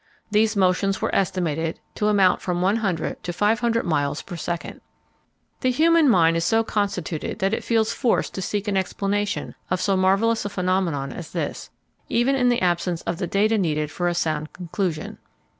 These motions were estimated to amount to from one hundred to five hundred miles per second. The human mind is so constituted that it feels forced to seek an explanation of so marvelous a phenomenon as this, even in the absence of the data needed for a sound conclusion.